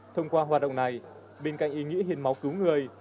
thông qua hoạt động này bên cạnh ý nghĩa hiến máu cứu người